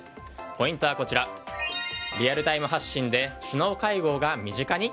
ポイントはこちらリアルタイム発信で首脳会合が身近に？